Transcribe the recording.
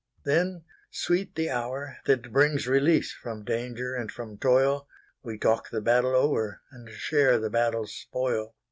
Then sweet the hour that brings releaseFrom danger and from toil; We talk the battle over, And share the battle's spoil.